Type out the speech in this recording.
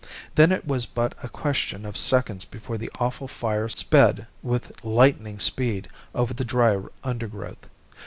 Then it was but a question of seconds before the awful fire sped with lightning speed over the dry undergrowth.